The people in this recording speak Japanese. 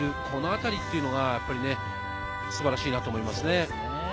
このあたりっていうのが素晴らしいなと思います。